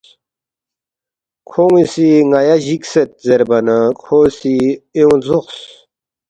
کھون٘ی سی ”ن٘یا جِکھسید“ زیربا نہ کھو سی ایونگ لزوقس